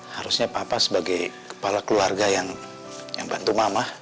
harusnya papa sebagai kepala keluarga yang bantu mama